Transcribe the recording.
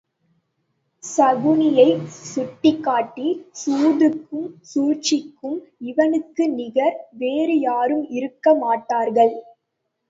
சகுனியைச் சுட்டிக்காட்டிச் சூதுக்கும் சூழ்ச்சிக்கும் இவனுக்கு நிகர் வேறு யாரும் இருக்க மாட்டார்கள்.